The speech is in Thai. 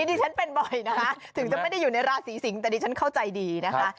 ดิฉันเป็นบ่อยนะคะถึงจะไม่ได้อยู่ในราศีสิงศ์แต่ดิฉันเข้าใจดีนะคะ